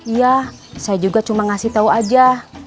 iya saya juga cuma ngasih tahu aja